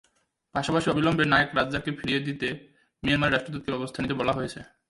পাশাপাশি অবিলম্বে নায়েক রাজ্জাককে ফিরিয়ে দিতে মিয়ানমারের রাষ্ট্রদূতকে ব্যবস্থা নিতে বলা হয়।